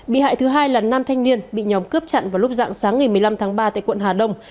bị hại thứ hai là nam thanh niên bị nhóm cướp chặn vào lúc dạng sáng ngày một mươi năm tháng ba tại quận hà đông